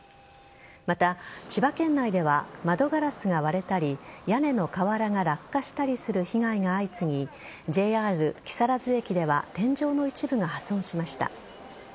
また、千葉県内では窓ガラスが割れたり屋根の瓦が落下したりする被害が相次ぎＪＲ木更津駅では天井の一部が破損しました。